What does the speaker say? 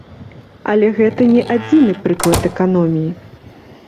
Але гэта не адзіны прыклад эканоміі.